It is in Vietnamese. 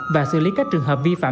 và xử lý các trường hợp vi phạm